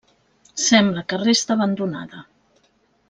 Sembla que resta abandonada.